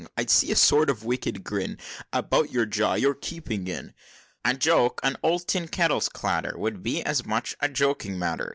I see a sort of wicked grin About your jaw you're keeping in." "A joke! an old tin kettle's clatter Would be as much a joking matter.